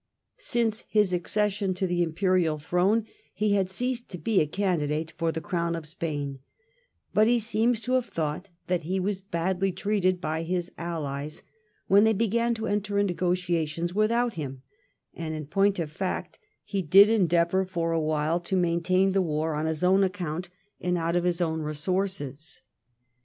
Since his accession to the Imperial throne he had ceased to be a candidate for the crown of Spain, but he seems to have thought that he was badly treated by his allies when they began to enter into negotiations without him, and in point of fact he did endeavour for a while to maintain the war on his own account, and out of his own resources.